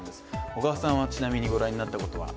小川さんはちなみにご覧になったことは？